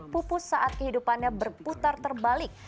pupus saat kehidupannya berputar terbalik